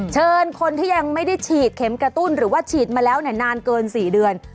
เชิญคนที่ยังไม่ได้ฉีดเข็มกระตุ้นหรือว่าฉีดมาแล้วนานเกิน๔เดือน